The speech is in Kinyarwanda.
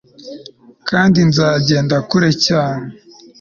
Kandi nzagenda kure cyane